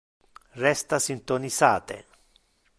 Resta syntonisate!